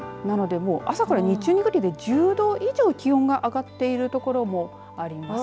朝から日中にかけて１０度以上気温が上がっているところもあります。